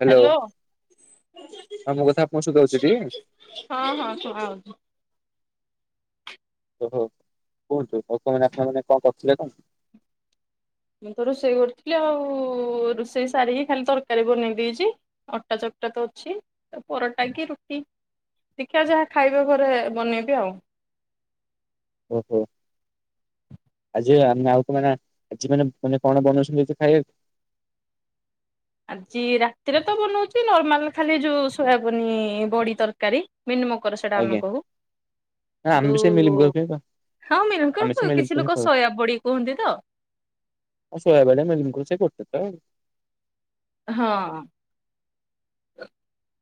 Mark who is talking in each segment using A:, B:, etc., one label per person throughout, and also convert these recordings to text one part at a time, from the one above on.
A: Hello
B: hello
A: ହଁ ମୋ କଥା ଆପଣଙ୍କୁ ଶୁଭାଯାଉଛି ଟି?
B: ହଁ -ହଁ ଶୁଭାଯାଉଚି।
A: ଓହୋ କୁହନ୍ତୁ [unintelligible] ଆପଣ ମାନେ କଣ କରୁଥିଲେ କୁହନ୍ତୁ?
B: ମୁଁ ତ ରୋଷେଇ କରିଥିଲି ଆଉ ରୋଷେଇ ସାରିକି ଖାଲି ତରକାରୀ ବନେଇ ଦେଇଚି। ଅଟା ଚକ୍ଟା ତ ଅଛି ପରଟା କି ରୁଟି ଦେଖିବା ଯାହା ଖାଇବେ ଘରେ ବନେଇବି ଆଉ।
A: ଓହୋ। [unintelligible]
B: ଆଜି ରାତିରେ ତ ବନଉଚି ନର୍ମାଲ୍ ଖାଲି ଯଉ ସୋୟାବିନ୍ ବଡି ତରକାରୀ। ମିଲ୍ ମିକର ସେଇଟା
A: ଆଜ୍ଞା
B: ଆମେ କହୁ।
A: ନା ଆମେ
B: କିନ୍ତୁ
A: ବି ସେ ମିଲ୍ ମିକର ହିଁ ଖାଉ
B: ଆଉ ମିଲ୍ ମିକର
A: ଆମେ ସେ
B: କୁ
A: ମିଲ୍
B: କିଛି
A: ମିକର ହିଁ
B: ଲୋକ
A: ଖାଉ।
B: ସୋୟା ବଡି କୁହନ୍ତି ତ।
A: ଆଉ ସୋୟାବଡି ମିଲମିକର ସେଇ ଗୋଟେ ତ ଆଉ।
B: ହଁ।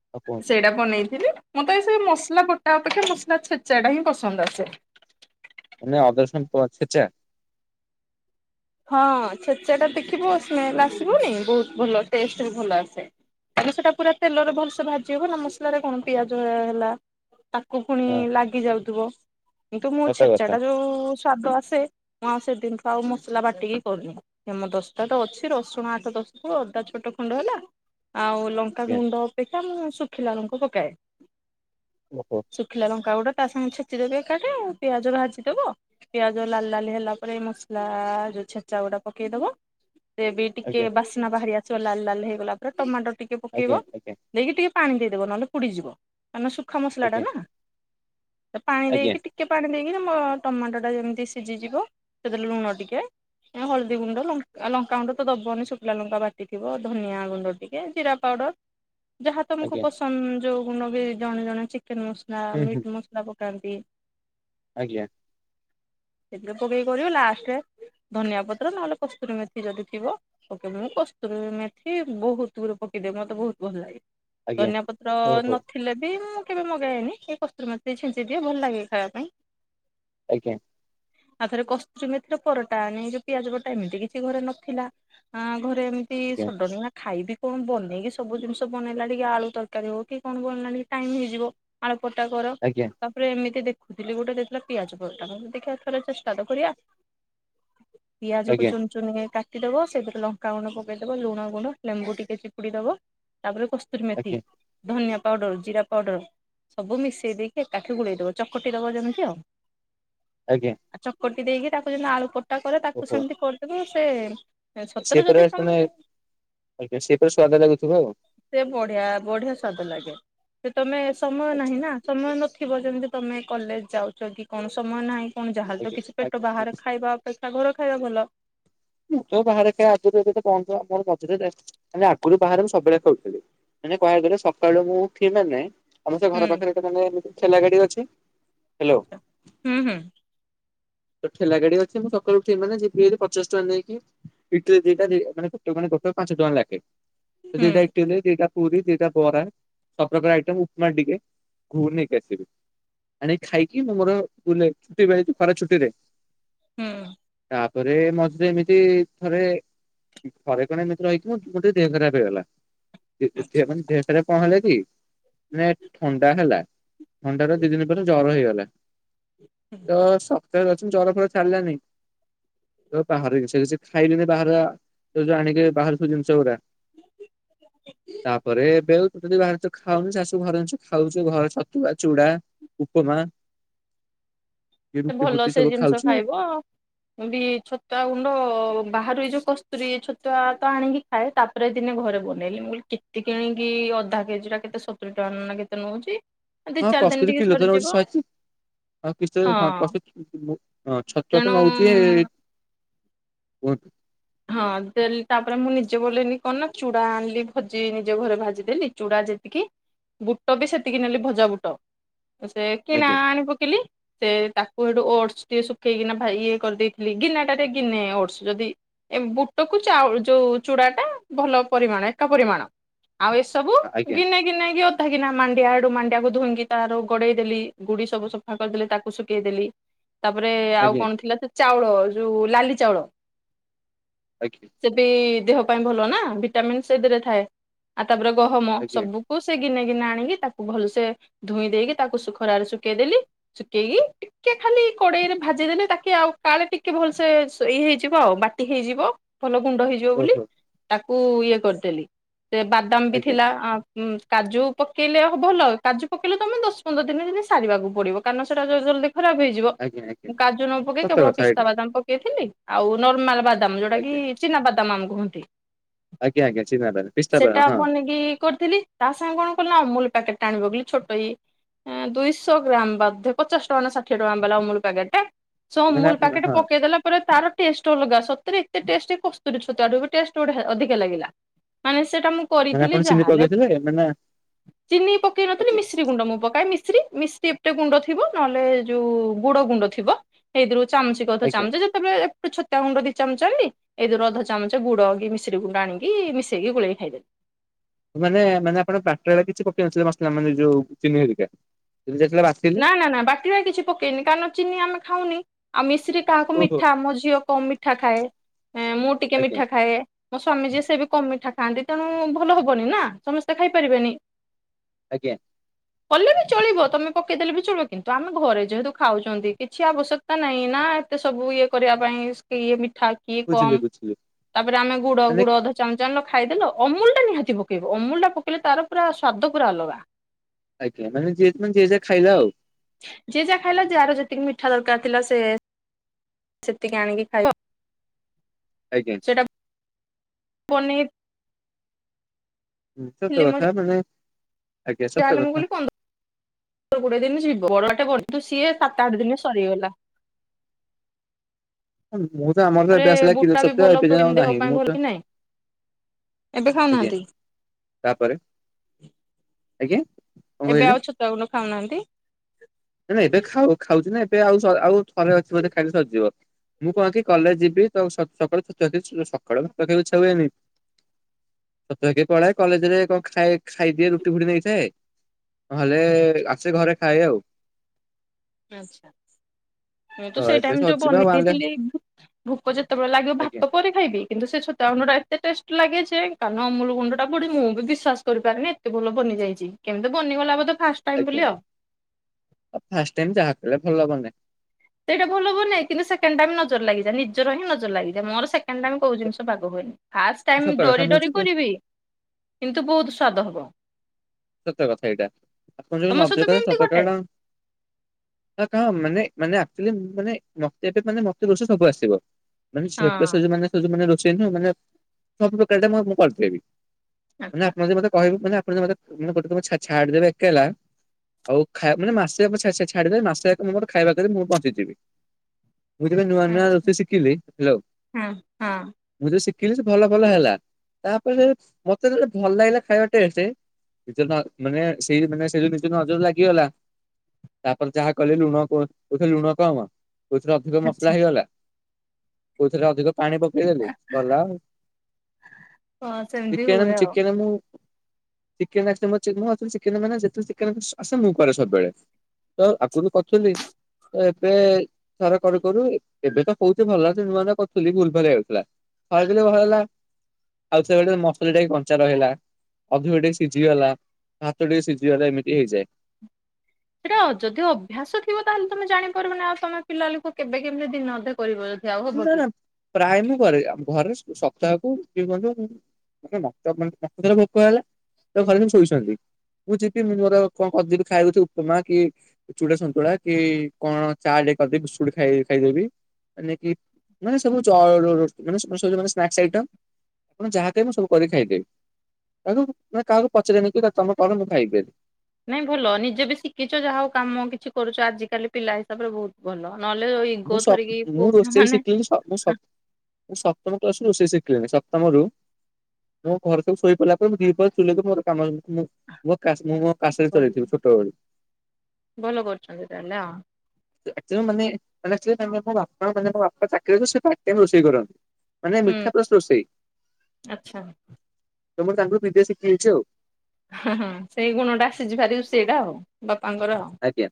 A: [unintelligible]
B: ସେଇଟା ବନେଇଥିଲି ମତେ ସେ ମସଲା ବଟା ଅପେକ୍ଷା ମସଲା ଛେଚା ଟା ହିଁ ପସନ୍ଦ୍ ଆସେ।
A: ମାନେ ଅଦା ରସୁଣ [unintelligible] ଛେଚା?
B: ହଁ ଛେଚା ଟା ଦେଖିବ ସ୍ମେଲ୍ ଆସିବନି ବହୁତ୍ ଭଲ ଟେଷ୍ଟ୍ ବି ଭଲ ଆସେ। ଆଉ ସେଟା ପୁରା ତେଲରେ ଭଲ୍ ସେ ଭାଜି ହବ ନା ମସଲାରେ କଣ ପିଆଜ ହେଲା। ତାକୁ ପୁଣି
A: ହଁ
B: ଲାଗି ଯାଉଥିବ କିନ୍ତୁ ମୋ
A: ସତ
B: ଛେଚା
A: କଥା
B: ଟା ଯଉ ସ୍ଵାଦ ଆସେ ମୁଁ ଆଉ ସେଦିନୁଠୁ ମୁଁ ଆଉ ମସଲା ବାଟିକି କରୁନି ହେମଦସ୍ତା ତ ଅଛି ରସୁଣ ଆଠ ଦଶ୍ କୁ ଅଦା ଛୋଟ ଖଣ୍ଡ ହେଲା ଆଉ
A: ଆଜ୍ଞା
B: ଲଙ୍କାଗୁଣ୍ଡ ଅପେକ୍ଷା ମୁଁ ଶୁଖିଲା ଲଙ୍କା ପକାଏ
A: ଓହୋ
B: ଶୁ ଶୁଖିଲା ଲଙ୍କା ଗୁଡା ତା ସାଙ୍ଗେ ଛେଚିଦେବି ଏକାଠେ ଆଉ ପିଆଜ ଭାଜିଦବ। ପିଆଜ ଲାଲ୍ ଲାଲ୍ ହେଲା ପରେ ମସଲା ଆ-ଯଉ ଛେଚା ଗୁଡା ପକେଇଦବ ସେ ବି ଟିକେ
A: ଆଜ୍ଞା
B: ବାସ୍ନା ବାହାରି ଆସିବ ଲାଲ୍ ଲାଲ୍ ହେଇଗଲା ପୁରା ଟମାଟୋ ଟିକେ
A: ଆଜ୍ଞା
B: ପକେଇବ
A: ଆଜ୍ଞା
B: ଦେଇକି ଟିକେ ପାଣି ଦେଇଦେବ ନହେଲେ ପୁଡ଼ିଯିବ କାହିଁନା ସୁୁଖା ମସଲାଟା
A: ଆଜ୍ଞା
B: ନା। ପାଣି
A: ଆଜ୍ଞା
B: ଦେଇକି ଟି ଟିକେ ପାଣି ଦେଇକି ତମ ଟମାଟୋ ଟା ଯେମିତି ସିଜିଯିବ ସେଥିରେ ଲୁଣ ଟିକିଏ ଏ ହଳଦୀ ଗୁଣ୍ଡ, ଲଙ୍କା-ଲଙ୍କାଗୁଣ୍ଡ ତ ଦବନି ଶୁଖିଲା ଲଙ୍କା ବାଟିଥିବ ଧନିଆ ଗୁଣ୍ଡ ଟିକେ ଜିରା ପାଉଡର୍ ଯାହା ତମକୁ
A: ଆଜ୍ଞା
B: ପସନ୍ଦ୍ ଯଉ ଗୁଣ୍ଡ ବି ଜଣେ ଜଣେ ଚିକେନ୍ ମସଲା,
A: ହୁଁ ହୁଁ
B: ମିଟ୍ ମସଲା ପକାନ୍ତି।
A: ଆଜ୍ଞା।
B: ସେଥିରେ ପକେଇ କରିବ ଲାଷ୍ଟେ ଧନିଆ ପତ୍ର ନହେଲେ କସ୍ତୁରୀ ମେଥି ଯଦି ଥିବ ପକେଇଦେବେ ମୁଁ କସ୍ତୁରୀ ମେଥି ବହୁତ୍ ଗୁରେ ପକେଇଦିଏ ମତେ ବହୁତ୍ ଭଲ ଲାଗେ।
A: ଆଜ୍ଞା।
B: ଧନିଆ ପତ୍ର
A: ଓହୋ
B: ନ ଥିଲେ ବି ମୁଁ କେବେ ମଗାଏନି ସେ କସ୍ତୁରୀ ମେଥି ଛିଞ୍ଚି ଦିଏ ଭଲ ଲାଗେ ଖାଇବା ପାଇଁ।
A: ଆଜ୍ଞା।
B: ଆଉ ଥରେ କସ୍ତୁରୀ ମେଥିର ପରଟା ନାହିଁ ଯଉ ପିଆଜ ପରଟା ଏମିତି କିଛି ଘରେ ନଥିଲା ଆ- ଘରେ ଏମିତି
A: ଆଜ୍ଞା
B: ସଡନ୍ କିନା ଖାଇବେ କଣ ବନେଇକି ସବୁ ଜିନିଷ ବନେଇଲା ଠିକି ଆଳୁ ତରକାରୀ ହଉ କି କଣ ବନେଇଲା ଠିକି ଟାଇମ୍ ହେଇଯିବ ଆଳୁ ପରଟା କର
A: ଆଜ୍ଞା
B: ତାପରେ ଏମିତି ଦେଖୁଥିଲି ଗୋଟେ ଦେଇଥିଲା ପିଆଜ ପରଟା ମୁଁ କହିଲି ଦେଖିଆ ଥରେ ଚେଷ୍ଟା ତ କରିବା। ପିଆଜକୁ
A: ଆଜ୍ଞା
B: ଚୂନ କାଟିଦବ, ସେଇଥିରେ ଲଙ୍କା ଗୁଣ୍ଡ ପକେଇଦବ, ଲୁଣ ଗୁଣ୍ଡ, ଲେମ୍ବୁ ଟିକେ ଚିପୁଡିଦବ ତାପରେ ପ୍ରୋ କଷ୍ଟୁରି ମେଥି, ଧନିଆ ପାଉଡର, ଜିରା ପାଉଡର। ସବୁ ମିଶେଇ ଦେଇକି ଏକାଠି ଗୁଳେଇଦବ, ଚକଟି ଦବ ଯେମିତି ଆଉ
A: ଆଜ୍ଞା।
B: ଆଉ ଚକଟି ଦେଇକି ତାକୁ ଯେମିତି ଆଳୁ ପଟା କଲେ ତାକୁ
A: ଓହୋ।
B: ସେମିତି କରିଦେବ ସେ
A: ସେ
B: ସତରେ
A: ପୁରା
B: ଯଦି ତମ
A: ମାନେ ଆଜ୍ଞା ସେପୁରା ସ୍ଵାଦ ଲାଗୁଥିବ ଆଉ।
B: ସେ ବଢିଆ ବଢିଆ ସ୍ଵାଦ ଲାଗେ, ସେ ତମେ ସମୟ ନାହିଁ
A: ଆଚ୍ଛା
B: ନା? ସମୟ ନଥିବ ଯେମିତି ତମେ କଲେଜ ଯାଉଛ କି କଣ ସମୟ ନାହିଁ, କଣ ଯାହା ହେଲେ ତ
A: ଆଜ୍ଞା
B: କିଛି ପେଟ
A: ଆଜ୍ଞା
B: ବାହାରେ?
A: ଆଜ୍ଞା
B: ଖାଇବା ଅପେକ୍ଷା ଘର ଖାଇବା ଭଲ।
A: ମୁ ତ ବାହାରେ ଖାଏ କରେ ଆ ଆଗରୁ ବାହାରେ ମୁ ସବୁବେଳେ ଖାଉଥିଲି। ମାନେ କୁହିବାକୁ ଗଲେ ସକାଳୁ ମୁଁ ଉଠିବି ମାନେ ଆମର ସେ ଘର
B: ହୁଁ।
A: ପାଖରେ ମାନେ ଠେଲା ଗାଡି ଅଛି ହାଲୋ।
B: ହୁଁ ହୁଁ।
A: ତ ଠେଲା ଗାଡି ଅଛି ମୁଁ ସକାଳୁ ଉଠେଇ ମାନେ ଯି ପଚାଶ ଚଲେଇକି ଇଟିଲି ଦିଟା ଦ କଣ ଗୋ ଗୋଟେ ପାଞ୍ଚ ଟଙ୍କା ଲାଖେ। ଯେ ଦିଟା
B: ହୁଁ
A: ଇଟିଲି ଦେ ଦିଟା ପୁରୀ ଦିଟା ବରା ସବପ୍ରକାର ଆଇଟମ ଉପମା ଟିକେ ଘୁଗୁନି ନେଇକି ଆସେ। ଆଣି ଖାଇକିଁ ମୋର ବୁଲେ ଛୁଟି ବା ଖରା ଛୁଟି ରେ।
B: ହୁଁ।
A: ତାପରେ ମ ଯେ ଏମିତି ଥରେ ଥରେ କଣ ଏମିତି ରହିକି ମୋ ଗୋଟେ ଦେହ ଖରାପ ହେଇଗଲା।
B: ହୁଁ।
A: ମାନେ ଦେହରେ ପହଲେ କି ମାନେ ଥଣ୍ଡା ହେଲା। ଥଣ୍ଡାରୁ ଦି ଦିନ ପର୍ଯ୍ୟନ୍ତ ଜର ହେଇଗଲା ତ ସପ୍ତାହରେ ଅଛନ୍ତି ଜର ଫର ଛାଡିଲାନାଇଁ। ତ ବାହାର ସେ କିଛି ଖାଇଲିନି ବାହ ତ ଯୋଉ ଆଣିକି ବାହାର ସବୁ ଜିନିଷ ଗୁଡା। [inaudible] ତାପରେ ଏବେ ଆଉ ତୁ ଯଦି ବାହାରିଛ ଖାଉନି ଶାଶୁ ଘର ଜିଷ ଖାଉଛୁ ଘର ଛତୁ ବା ଚୁଡା ଉପମା
B: ସେ
A: ରୁଟି
B: ଭଲ
A: ଫୁଟି
B: ସେ
A: ସବୁ
B: ଜିନିଷ
A: ଖାଉଛ ଆଉ?
B: ଖାଇବ ବି ଛତୁଆ ଗୁଣ୍ଡ ବାହାରୁ ଏ ଯୋଉ କସ୍ତୁରୀ ଛତୁଆ ତ ଆଣିକି ଖାଏ ତା ତାପରେ ଦିନେ ଘରେ ବନେଇଲି ମୁଁ କହିଲି କେତେ କିଣିକି ଅଧା କେଜି ଟ କେତେ ସତୁୁରୀ ଟଙ୍କା କେତେ ନଉଛି? ଦି
A: ହଁ
B: ଚାରି ଦିନ
A: କସ୍ତୁରୀ
B: ଟିକେ
A: କିଲୋ ତର ରହୁଛି
B: ସରିଯିବ
A: ଶହେଚା ଆଉ କି
B: ହଁ
A: ହଁ ଛତୁଆ ତ
B: ତେଣୁ
A: ନଉଛି। ଉତ
B: ହଁ ଦେଲି ତାପରେ ମୁଁ ନିଜେ ବୋଲେନି କଣ ନା ଚୁଡା ଆଣିଲି ଭଜି ନିଜେ ଘରେ ଭାଜିଦେଲି ଚୁଡ଼ା ଯେ ସେତିକି ବୁଟ ବି ସେତିକି ନେଲି ଭଜା ବୁଟ ସେ କିଣା
A: ଆଜ୍ଞା
B: ଆଣି ପକେଇିଲି। ସେ ତାକୁ ସେଠୁ ଓଟସ ଟିକେ ଶୁଖେଇକିନାଇ ଇଏ କରିଦେଇଥିଲି ଗିନା ଟା ରେ ଗିନେ ଓଟସ ଯଦି ଏ ବୁଟକୁ ଚାଉଳ ଯୋଉ ଚୁଡାଟା ଭଲ ପରିମାଣ ଏକା ପରିମାଣ ଆଉ ଏସବୁ
A: ଆଜ୍ଞା
B: ଗିନେଇ ଗିନାକି ଅଧପ ଗିନା ନା କିି ଅଥା କିିନା ମାଣ୍ଡିଆ ଆଡୁ ମାଡିଆକୁ ଧୋଇଇକି ତାର ଗଡେଇ ଦେଲି ଗୁଡି ସବୁ ସବୁ ସଫା କରିଦେଲେ ତାକୁ ଶୁଖେଇଦେଲି ତାପରେ ଆଉ
A: ଆଜ୍ଞା
B: କଣ ଥିଲା ସେ ଚାଉଳ ଯୋଉ ନାଲି ଚାଉଳ
A: ଆଜ୍ଞା।
B: ସେ ବି ଦେହ ପାଇଁ ଭଲ ନା ଭିଟାମିନ ସେଇଥିରେ ଥାଏ ଆଉ ତାପରେ ଗହମ
A: ଆଜ୍ଞା
B: ସବୁ କ ସେ ଗିନେ ଗିିନେ ଆଣିକି ତାକୁ ଭଲସେ ଧୋଇଁ ଦେଇକି ତାକୁ ଶୁ ଖରାରେ ଶୁଖେଇଦେଲି। ଶୁଖେଇକି ଟିକେ ଖାଲି କଡେଇରେ ଭାଜିଦେଲେ ତାକେ ଆଉ କାଳେ ଟିକେ ଭଲସେ ଇ ହେଇଯିବ। ବାଟି ହେଇଯିବ ଭଲ ଗୁଣ୍ଡ ହେଇଯିବ ବୋଲି
A: ଓହୋ
B: ତାକୁ ଇ କରିଦେଲିବା ଦମ୍ ବି
A: ଆଜ୍ଞା
B: ଥିଲା ଆ ହୁଁ କାଜୁ ପକେଇଲେ ହ ଭଲ କାଜୁ ପକେଇଲେ ତମେ ଦଶ ପନ୍ଦର ଦିନେ ଯିନ୍ତି ସାରିବାକୁ ପଡିବ। କାରଣ ସେଟା ତ ଜଲଦି ଖରାପ ହେଇ ଯିବ
A: ଆଜ୍ଞା ଆଜ୍ଞା
B: ମୁଁ କାଜୁ ନ ପକେଇ
A: ସତ
B: କେବଳ
A: କଥା
B: ପିସ୍ତା
A: ଏଇଟା
B: ବାଦାମ ପକେଇଥିଲି ଆଉ ନର୍ମାଲ ବାଦାମ ଯୋଉଟା କି
A: ଆଜ୍ଞା
B: ଚିନାବାଦାମ ଆମେ କୁହନ୍ତି
A: ଆଜ୍ଞା ଆଜ୍ଞା ଚିନା ବାଦାମ ପିସ୍ତା ବାଦାମ
B: ସେଟା
A: ହଁ
B: ବନେଇକି କରିଥିଲି ତା ସାଙ୍ଗେ କଣ କଲିନା ଅମୁଲ ପାକେଟ ଟେ ଆଣିକି ପକେଇଲି ଛୋଟ ଇଏ ଏଁ ଦୁଇଶହ ଗ୍ରାମ ବାଧେ ପଚାଶ ଟଙ୍କା ନା ଷାଠିଏ ଟଙ୍କା ବାଲା ଅମୁଲ ପ୍ୟାକେଟଟେ। ସେ
A: ମାନେ
B: ଅମୁଲ
A: ଆପ
B: ପାକେଟେ
A: ହଁ
B: ପକେଇଦେଲା ପରେ ତାର ଟେଷ୍ଟ ଅଲଗା ସତରେ ଏତେ ଟେଷ୍ଟ କସ୍ତୁରୀ ଛତୁଆ ଠୁ ବି ଟେଷ୍ଟ ବଢିଆ ଅଧିକା ଲାଗିଲା ମାନେ ସେଇଟା ମୁଁ
A: ମାନେ
B: କରିଥିଲି
A: ଆପଣ ଚିନି
B: ଯାହାଲେ
A: ପକେଇଥିଲେ ମାନେ
B: ଚିନି ପକେଇ ନଥିଲି
A: ଆଜ୍ଞା
B: ମିଶ୍ ମିଶ୍ରୀ ଗୁଣ୍ଡ ମୁଁ ପକାଏ ମିଶ୍ରୀ ମିଶ୍ରୀ ଏପଟେ ଗୁଣ୍ଡ ଥିବ ନହେଲେ ଯୋଉ ଗୁଡ ଗୁଣ୍ଡ ଥିବ ହେଇଥିରୁ ଚାମଚେ କି ଅଧ
A: ଆଜ୍ଞା
B: ଚାମଚେ ଯେତେବେଳେ ଛତୁଆ ଗୁଣ୍ଡ ଦି ଚାମଚ ଆଇଁଲି ଏଇଥିରୁ ଅଧ ଚାମଚ ଗୁଡ କି ମିଶ୍ରୀ ଗୁଣ୍ଡ ଆଣିକି ମିସେଇକି ଗୁଳେଇକି ଖାଇଦେଲି।
A: ମାନେ ମାନେ ଆପଣ ବାଟିଲାବେଳେ କିଛି ପକେଇ ମସଲା ମାନେ ଯୋଉ ଚିନିହେରିକା କିନ୍ତୁ ଯେତେଳେ ବା
B: ନା ନା ନା ବାଟିବା କିଛି ପକେଇନି କାରଣ ଚିନି ଆମେ ଖାଉନି ଆଉ ମିଶିରି କାହାକୁ
A: ଓହୋ
B: ମିଠା ମୋ ଝିଅ କମ ମିଠା ଖାଏ ମୁଁ ଟିକେ
A: ଆଜ୍ଞା
B: ମିଠା ଖାଏ। ମୋ ସ୍ଵାମୀ ଯିଏ ସେ ବି କମମିଠା ଖାଆନ୍ତି ତେଣୁ ଭଲ ହବନି ନା ସମସ୍ତେ ଖାଇପାରିବେନି।
A: ଆଜ୍ଞା।
B: କଲେ ବି ଚଳିବ ତମେ ପକେଇଦେଲେ ବି ଚଳିବ କିନ୍ତୁ ଆମେ ଘରେ ଯେହେତୁ ଖାଉଛନ୍ତି କିଛି ଆବଶ୍ୟକତା ନାହିଁ ନା ଏତେ ସବୁ ଇଏ କରିବା ପାଇଁ କିଏ ମିଠା କିଏ
A: ବୁଝିଲି
B: କମ
A: ବୁଝିଲି
B: ତାପରେ ଆମେ ଗୁଡ
A: ମାନେ
B: ଗୁଡ ଧ ଚାମଚେ ଆଣିଲ ଖାଇଦେଲ ଅମୁଲ ଟା ନିହାତି ପକେଇବ ଅମୁଲ ଟା ପକେଇଲେ ତାର ପୁରା ସ୍ଵାଦ ପୁରା ଅଲଗା।
A: ଆଜ୍ଞା ମାନେ ଯି ମାନେ ଜିଏ ଯାହା ଖାଇଲା ଆଉ।
B: ଯିଏ ଯାହା ଖାଇଲା ଯାହାର ଯେତିକି ମିଠା ଦରକାର ଥିଲା ସେ ସେତିକି ଆଣିକି ଖାଇବ।
A: ଆଜ୍ଞା।
B: ପନିର୍
A: ହୁଁ ସତ କଥା ମାନେ ଆଜ୍ଞା ସତ
B: ଜାହେଲେ ମୁଁ
A: କଥା
B: କହିଲି ପନ୍ଦର କୋଡିଏ ଦିନ ଯିବ ବଡଆଟେ କିନ୍ତୁ ସିଏ ସାତ ଆଠ ଦିନେ ସରିଗଲା।
A: ମୁଁ ତ ଆମର ତ
B: ତାରେ
A: ଏବେ ଆସିଲା କିଲୋ
B: ବୁଟା ବି
A: ଛତୁଆ
B: ଭଲ
A: ଏବେ ଯାଏଁ ଆଉ
B: ପ୍ରୋଟି ଦେହ
A: ନାହିଁ ମୁଁ
B: ପାଇଁ
A: ତ
B: ଭଲ କି ନାଇଁ? ଏବେ
A: ଆଜ୍ଞା
B: ଖାଉନାହାନ୍ତି?
A: ତାପରେ? ଆଜ୍ଞା କଣ କହିଲେ?
B: ଏବେ ଆଉ ଛତୁଆ ଗୁଣ୍ଡ ଖାଉନାହାଁନ୍ତି?
A: ନା ନା ଏବେ ଖାଉ ଖାଉଛି ନା ଏବେ ଆଉ ଆଉ ଥରେ ଅଛିବୋଧେ ଖାଇଲେ ସରିଜିବ। ମୁଁ କଣକି କଲେଜ ଯିବି ତ ସକାଳୁ ଛତୁଆ ଟିକେ ସକାଳୁ ଭାତ ଖାଇବାକୁ ଇଛା ହୁଏନି। ଛତୁଆ ଖାଇକି ପଳାଏ କଲେଜ ରେ କଣ ଖାଏ ଖାଇଦିଏ ରୁଟି ଫୁଟି ନେଇଥାଏ ନହେଲେ ଆସେ ଘରେ ଖାଏ ଆଉ।
B: ଆଚ୍ଛା। ମୁଁ ତ ସେଇ
A: ଏବେ
B: ଟାଇମ ଯୋଉ
A: ସରିଯିବ ଆଉ ଆଣିଲେ
B: ବନେଇଥିଲି ଭୁକ ଯେତେବେଳେ ଲାଗିବ
A: ଆଜ୍ଞା
B: ଭାତ ପରେ ଖାଇଦିଏ କିନ୍ତୁ ସେ ଛତୁଆ ଗୁଣ୍ଡ ଟା ଏତେ ଟେଷ୍ଟ ଲାଗେ ଯେ କାରଣ ଅମୁଲୁ ଗୁଣ୍ଡଟା ପଡି ମୁଁ ବି ବିଶ୍ୱାସ କରିପାରେନି ଏତ ଭଲ ବନିଯାଇଛି କେମିତି ବନିଗଲା ବଧେ ଫାଷ୍ଟ ଟାଇମ
A: ଆଜ୍ଞା
B: ବୋଲି ଆଉ।
A: ଆ ଫାଷ୍ଟ ଟାଇମ ଯାହା କଲେ ଭଲ ବନେ।
B: ସେଇଟା ଭ ବନାଏ କିନ୍ତୁ ସେକେଣ୍ଡ ଟାଇମ ନଜର ଲାଗିଯାଏ ନିଜର ହଁ ନଜର ଲାଗିଯାଏ ମୋର ସେକଣ୍ଡ ଟାଇମ କଉ ଜିନିଷ ବାଗ ହୁଏନି। ଫାଷ୍ଟ ଟାଇମ
A: ସତ କଥା
B: ଡରି
A: ମୁଁ
B: ଡରି
A: ଯେବେ
B: କରିବି କିନ୍ତୁ ବହୁତ ସ୍ଵାଦ ହବ।
A: ସତ୍ୟ କଥା ଏଇଟା ଆପଣ ଯ
B: ତମ ସହିତ
A: ନବଜ
B: ବି
A: କେ
B: ଏମିତି
A: ସତ
B: ଘଟେ?
A: କଟା ଏଗୁରା କ ମାନେ ମାନେ ଆଚୁଆଲି ମାନେ ମତେ ଏବେ ମାନେ ମତେ ରୋଷଇ ସବୁ ଆସିବ। ମାନେ ଝିଅ ପିଲା ସେ
B: ହଁ
A: ଯୋଉ ମାନେ ସେ ଯୋଉ ମାନେ ରୋଷେଇ ନୁହଁ ମାନେ ସବୁ ପ୍ରକାର ଟା ମୁଁ କରିଦେବି। ମାନେ
B: ଆଚ୍ଛା
A: ଆପଣ ଯଦି ମତେ କିବେ ମାନେ ଆପଣ ମେ ମାନେ ଗୋଟେେ ଛା ଛାଡି ଡିଦବେ ଏକେଲା ଆଉ ମାନେ ମାସେ ଛାଡିଦେଲେ ମାସେ ଜାଙ୍କ ମୁଁ ଖାଇବା କରିକି ମୁଁ ବଞ୍ଚିଯିବି। ଯୋଇତି ପାଇଁ ନୁଆ ନୁଆ
B: ଆଚ୍ଛା
A: ରୋଷେଇ ସିଖିିଲି ହାଲୋ
B: ହଁ ହଁ
A: ମୁଁ ଯେ ଶିଖିଲି ସେ ଭଲ ଭଲ ହେଲା ତାପରେ ମତେ ଭଲ ଲାଗିଲା ଖାଇବା ଟେଷ୍ଟ ନିଜ ମାନେ ସେଇ ମାନେ ସେ ଯ ନିଜ ନଜର ଲାଗିଗଲା ତାପରେ ଯାହା କଲେ ଲୁଣ କୋଉଥିରେ ଲୁଣ କମ କୋଉଥିରେ ଅଧିକ ମସଲା
B: ଆଚ୍ଛା
A: ହେଇଗଲା କୋଉଥିରେ ଅଧିକ ପାଣି ପକେଇଦେଲି ଗଲା ଆଉ
B: ହଁ ସେମିତି
A: ଚିକେନ୍
B: ହୁଏ
A: ମୁଁ
B: ଆଉ।
A: ଚିକେନ୍ ମୁଁ ଚିକେନ୍ ଆସିଲେ ମୁଁ ଚିକେନ ମାନେ ମୁଁ ଯେତେ ଚିକେନ ମୁଁ କରେ ସବୁବେଳେ। ତ ଆଗରୁ କରିିଥିଲି ତ ଏବେ ଘରେ କରୁ କରୁ ଏବେ ତ କୋହୁଚି ଭଲ ଅଛି ନୂଆ ନୂଆ କରୁଥିଲି ଭୁଲ ଭାଲେ ହୋଉଥିଲା ଖଲେ ଭଲ ହେଲା। ଆଉ ସେବେଳେ ମସଲା ଟିକେ କଞ୍ଚା ରହିଗଲା ଅଧିକ ଟିକେ ସିଝିଗଲା ଭାତ ଟିକେ ସିଝିଗଲେ ଏମିତି ହେଇଯାଏ।
B: ସେଇଟା ଯଦି ଅଭ୍ୟାସ ଥିବ ତାହେଲେ ତମେ ଜାଣିପାରିବନା ଆଉ ତମେ ପିଲା ଲୋକ କେବେ କେମିତି ଦିନେଅଧେ ଦେଖ କରିବ ଯଦି ଆଉ ହବ
A: ନା
B: କି।
A: ନା ପ୍ରାୟ ମୁଁ କରେ ଘରେ ସପ୍ତାହକୁ ଯ ମା ତା ମନେ ଭୋକ ହେଲା ତ ଘରେ ନେଇକି ଶୋଇ ସୁଆଦେବି। ମୁଁ ଯିବି ମୁ ମୋର କଣ କରିବି ଦେବି ଖାଇବାକୁଥିବ ଉପମା କି ଚୁଡା ସନ୍ତୁଳା କି କଣ ଚା ଟିକେ କରିଦେବି ବିଷ୍ଟୁ ଖାଇ ଖାଇଦେବି। ମାନେ ମାନେ ସବୁ ଚ ମାନେ ସ୍ନେକେସ ଆଇଟମ। ଆପଣ ଯାହା ଦେବେ ମୁଁ ସବୁ କରିକି ଖାଇଦେବି ତାକୁ ମାନେ କାହାକୁ ପଚାରନି କି ତମେ କର ମୁଁ ଖାଇବି ବୋଲି।
B: ନାଇଁ ଭଲ ନିଜେ ବି ଶିଖିଚ ଯାହା ହୋଉ କାମ କିଛି କରୁଚ ଆଜିକାଲି ପିଲା ହିସାବରେ ବୋହୁତ ଭଲ ନହେଲେ ଇଗୋ
A: ମୁଁ
B: ଧରିକି
A: ସବୁ
B: ପୁଅ
A: ମୁଁ ରୋଷେଇ
B: ପିଲାମାନେ
A: ଶିଖିଲି ମୁଁ ସବୁ ସବୁ ମୁ ସପ୍ତମ କ୍ଲାସରୁ ରୋଷେଇ ଶିଖିଲିଣିି ସପ୍ତମରୁ ମୋ ଘରେ ସବୁ ଶୋଇପଡ଼ିଲା ପରେ ମୁଁ ଦିପହରେ ଚୁଲିରେ ମୋର କାମ ମୁଁ ମୋା ମୁଁ ମୋ କାଶ କାଶଦି
B: ଭଲ
A: ଚଳେଇଥିବି ଛୋଟବେଳୁ।
B: ଭଲ କରୁଚନ୍ତି ତାହେଲେ ଆଉ।
A: ଅକୁଚୁଆଲି ମାନେ ମାନେ ମୋ ବାପା ମାନେ ବାପା ଚାକିରେ ଅ ସେ ଫାଷ୍ଟେ ଟାଇମ ରୋଷେଇ କରନ୍ତି। ମାନେ
B: ହୁଁ
A: ମିଠା ପ୍ଲସ ରୋଷେଇ
B: ଆଚ୍ଛା ହଁ
A: ତମର ତାଙ୍କୁର ବିଦେ ଶିଖିଇଚି ଆଉ।
B: ହଁ ସେଇ ଗୁଣ ଟା ଆସିଚି ଭାରି ରୁସେଇଟା ଆଉ ବାପାଙ୍କର ଆଉ।
A: ଆଜ୍ଞା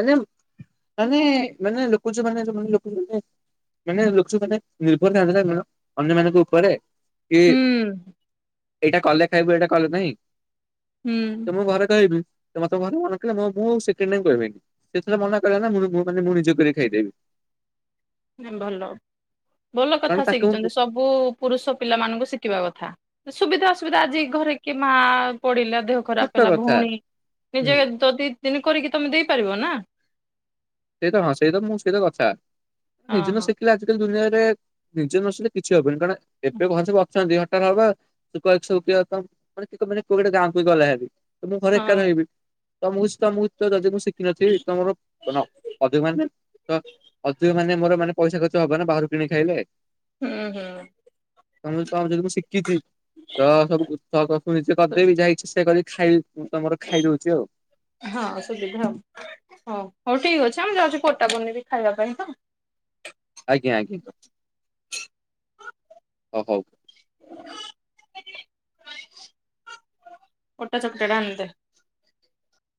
A: ମାନେ ମାନେ ମାନେ ଲେଖୁଛୁ ମାନେ [unintelligible] ମାନେ ଲୋକ ସ ମାନେ ନିର୍ଭର ଥାନ୍ତିନା କଣ ଅନ୍ୟ ମାନଙ୍କ ଉପରେ।
B: ହୁଁ।
A: ଏଟା କଲେ ଖାଇବୁ ଏଟା କଲେ ନାଇଁ।
B: ହୁଁ।
A: ତ ମୁଁ ଘରେ କହିବି। ତ ଘରେ ମୁଁ [unintelligible] ସେକେଣ୍ଡ ଟାଇମ୍ କଇବିନି। ସେଥିର ମନା କରେ ନା ମୁଁ ବି କୁଅ ପାଣିରେ ମୁଁ ନିଜେ କରି ଖାଇଦେବି।
B: ନାଇ ଭଲ ଭଲ
A: କାରଣ
B: କଥା
A: ତାକୁ
B: ଶିଖିଚନ୍ତି ସବୁ ପୁରୁଷ ପିଲାମାନଙ୍କୁ ଶିଖିବା କଥା। ସୁବିଧା ଅସୁବିଧା ଆଜି ଘରେ କିଏ ମା ପଡିଲା ଦେହ
A: ସତ
B: ଖରାପ ହେଲା
A: କଥା
B: ଭଉଣୀ
A: ହୁଁ
B: ନିଜେ ତ ଦି ଦିନି କରିକି ତମେ ଦେଇପାରିବ ନା।
A: ସେଇତ ହଁ ସେଇ ତ ମୁଁ ସେଇତ କଥା
B: ହଁ
A: ନିଜେ ତ
B: ହଁ
A: ଶିଖିଲେ ଆଜିକାଲି ଦୁନିଆରେ ନିଜେ ନସିଲେ କିଛି ହବନି କାରଣ ଏତେ ଘ ସବୁ ଅଛନ୍ତି ହଠାତ୍ ହବ। [unintelligible] ମାନେ କୋଉମାନେ ଗାଁକୁ ବି ଗଲେ ହାରି। ତ ମୁଁ ଘରେ ଏକା
B: ହଁ
A: ରହିବି ତ ମୁ ତ ମୁ ଯଦି ମୁଁ ଶିକିନଥିବି ତମର ଅଧିକ ମାନେ ତ ଅଧିକ ମାନେ ମୋର ମାନେ ପଇସା ଖର୍ଚ୍ଚ ହବ ନା ବାହାରୁ କିଣି ଖାଇଲେ।
B: ହୁଁ ହୁଁ।
A: [unintelligible] ତ ଯଦି ମୁଁ ଶିଖିଛି ତ ସବୁ ନିଜେ କରିଦେଇବି ଯାଇ ରୋଷେଇ କରି ଖାଇ ତମର ଖାଇଦଉଛି ଆଉ।
B: ହଁ ସୁବିଧା ହଉ, ହଉ, ହଉ ଠିକ ଅଛି ଆ ମୁଁ ଯାଉଚି ପଟା ବନେଇବି ଖାଇବା ପାଇଁ ତ।
A: ଆଜ୍ଞା ଆଜ୍ଞା, ହଉ।
B: ଅଟା ଚକଟା ଟା ଆଣିଦେ।